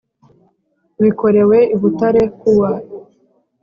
Bikorewe i Butare kuwa